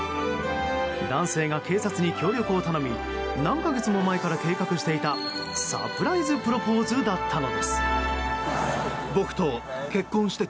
男性が警察に協力を頼み何か月も前から計画していたサプライズプロポーズだったのです。